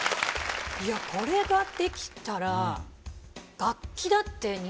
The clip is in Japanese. いやこれができたら。